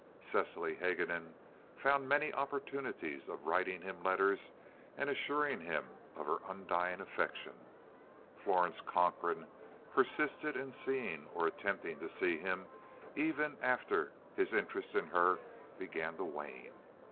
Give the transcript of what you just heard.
Cecily Haguenin found many opportunities of writing him letters and assuring him of her undying affection. Florence Cochrane persisted in seeing or attempting to see him even after his interest in her began to wane.